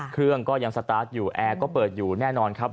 เครื่องก็ยังสตาร์ทอยู่แอร์ก็เปิดอยู่แน่นอนครับ